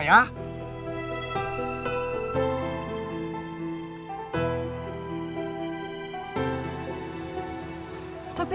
ya aku udah jatuh